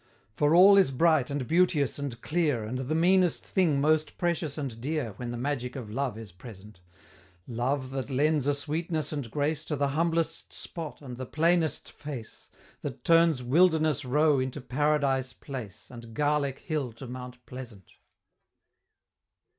For all is bright, and beauteous, and clear, And the meanest thing most precious and dear When the magic of love is present: Love, that lends a sweetness and grace To the humblest spot and the plainest face That turns Wilderness Row into Paradise Place, And Garlick Hill to Mount Pleasant!